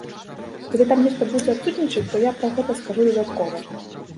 Калі там нешта будзе адсутнічаць, то я пра гэта скажу дадаткова.